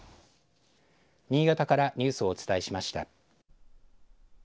新潟からニュースをお伝えしました。